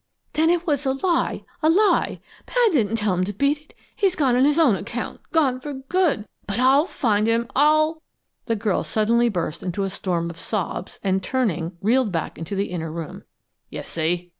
"Then it was a lie a lie! Pad didn't tell him to beat it he's gone on his own account, gone for good! But I'll find him; I'll " The girl suddenly burst into a storm of sobs, and, turning, reeled back into the inner room. "You see!"